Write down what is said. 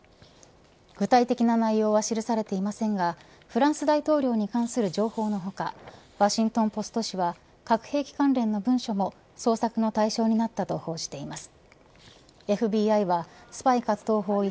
具体的な内容は記されていませんがフランス大統領に関する情報の他ワシントン・ポスト紙は核兵器関連の文書も捜索の対象になったと報じています。